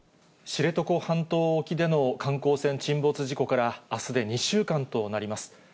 知床半島沖での観光船沈没事故から、あすで２週間となります。